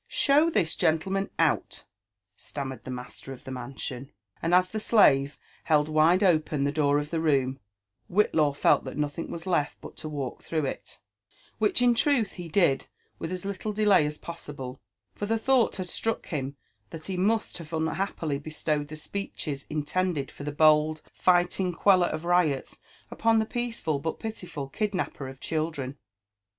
': Show this gentleman out/' stammered the master of the mansioo ; JONATHAN iCTFEBSON WHITLAW. tlS and us (he slureheld wide open the door of the room, Whitlaw felt that rtollitng was left him but to walk though it: which in truth he did with a§ little delay a» possible, for the thought had sirnck him that he must have unhafypHy bestowed the speeches intended for the bold, fighting qneller of riots, ppon the peaceful but pitiful kidnapper of children.